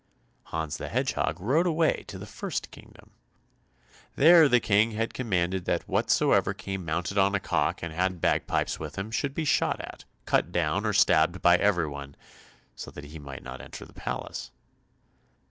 Hans the Hedgehog rode away to the first kingdom. There the King had commanded that whosoever came mounted on a cock and had bagpipes with him should be shot at, cut down, or stabbed by everyone, so that he might not enter the palace.